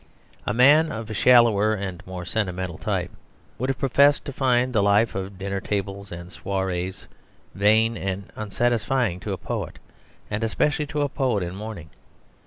A man of a shallower and more sentimental type would have professed to find the life of dinner tables and soirées vain and unsatisfying to a poet, and especially to a poet in mourning.